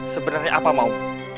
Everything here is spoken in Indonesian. sebenarnya apa mau